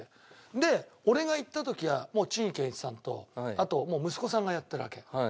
で俺が行った時は陳建一さんとあともう息子さんがやってるわけ。